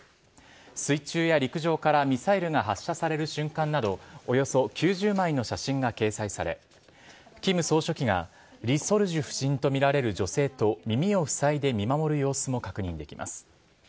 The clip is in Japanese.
水中や陸上からミサイルが発射される瞬間など、およそ９０枚の写真が掲載され、キム総書記が、リ・ソルジュ夫人と見られる女性と耳を塞いで見守る様子も確認できます。